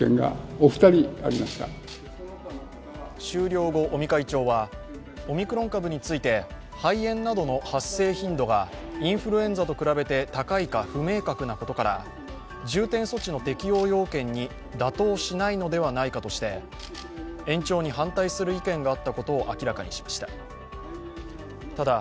終了後尾身会長は、オミクロン株について、肺炎などの発生頻度がインフルエンザと比べて高いか不明確なことから重点措置の適用要件に妥当しないのではないかとして延長に反対する意見があったことを明らかにしました。